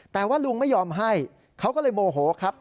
แต่ว่าลุงไม่ยอมให้เขาก็เลยโมโหครับ